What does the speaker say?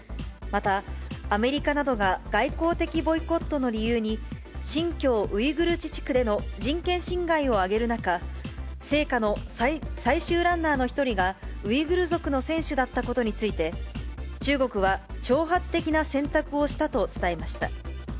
また、アメリカなどが外交的ボイコットの理由に、新疆ウイグル自治区での人権侵害を挙げる中、聖火の最終ランナーの１人が、ウイグル族の選手だったことについて、中国は挑発的な選択をしたと伝えました。